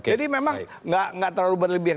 jadi memang gak terlalu berlebihan